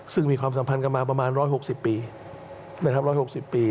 ซึ่งมีความสัมพันธ์กันมาประมาณ๑๖๐ปี๑๖๐ปี